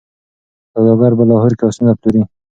سوداګر په لاهور کي آسونه پلوري.